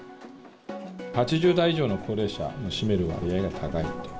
８０代以上の高齢者の占める割合が高いと。